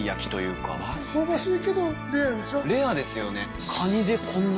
レアですよね。